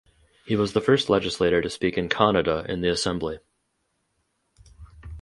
He was the first legislator to speak in Kannada in the assembly.